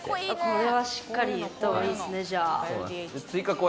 これはしっかり言った方がいいですねじゃあ。